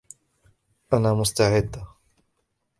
أنا مستعدة.